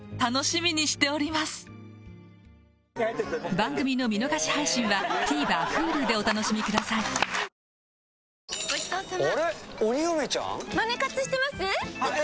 番組の見逃し配信はＴＶｅｒＨｕｌｕでお楽しみくださいイーピーエスとは？